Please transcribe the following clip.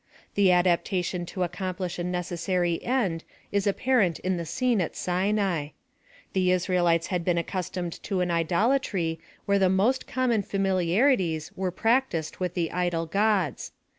The adaptation to accomplish a necessary end is apparent in the scene at Sinai. The Israelites had been accustomed to an idolatry where the most common familiarities where practised with the idol gods.